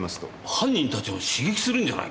犯人たちを刺激するんじゃないかな。